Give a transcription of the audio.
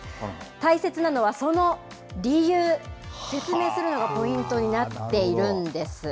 大切なのはその理由、説明するのがポイントになっているんです。